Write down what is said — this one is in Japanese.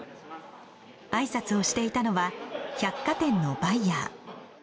あいさつをしていたのは百貨店のバイヤー。